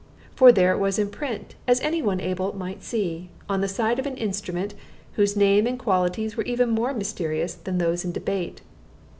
For there it was in print, as any one able might see, on the side of an instrument whose name and qualities were even more mysterious than those in debate.